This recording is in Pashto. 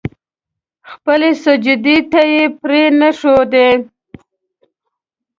خپلې سجدې ته يې پرې نه ښودې.